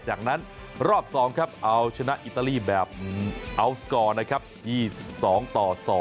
จากนั้นรอบ๒ครับเอาชนะอิตาลีแบบอัลสกอร์นะครับ๒๒ต่อ๒